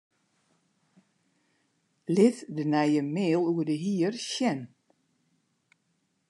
Lit de nije mail oer de hier sjen.